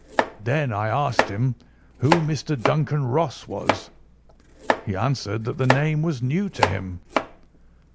Then I asked him who Mr. Duncan Ross was. He answered that the name was new to him.